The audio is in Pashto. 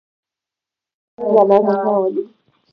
پولیس څنګه نظم راولي؟